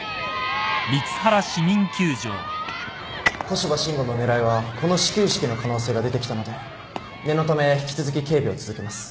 古芝伸吾の狙いはこの始球式の可能性が出てきたので念のため引き続き警備を続けます。